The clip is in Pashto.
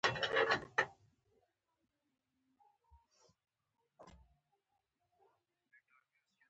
سل د بشري لاسته راوړنو یوه برخه ده